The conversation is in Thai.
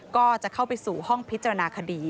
ก็จะเข้าไปสู่ห้องพิจารณาคดี